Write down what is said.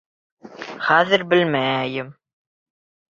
Хәҙер белмәйем.